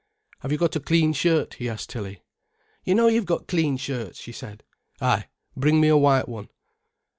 "Have you got a clean shirt?" he asked Tilly. "You know you've got clean shirts," she said. "Ay,—bring me a white one."